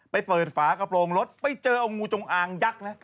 ไปเปิดฝากระโปรงรถไปเจอเอางูจงอางยักษ์นะ